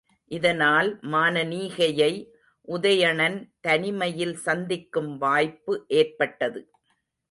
இதனால் மானனீகையை உதயணன் தனிமையில் சந்திக்கும் வாய்ப்பு ஏற்பட்டது.